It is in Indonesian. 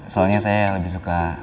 soalnya saya lebih suka